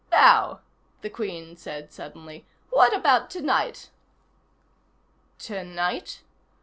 "Now," the Queen said suddenly, "what about tonight?" "Tonight?"